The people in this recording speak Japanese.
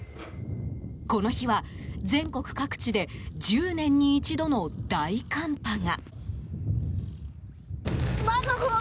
この日は、全国各地で１０年に一度の大寒波が。